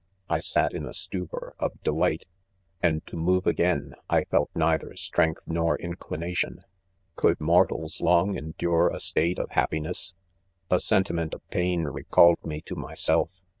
I sat in a stupor of delight ; and to move again, I felt neither strength nor inclination 1 . Could mortals long endure a state of happiness % '■A sentiment of pain recalled me to myself.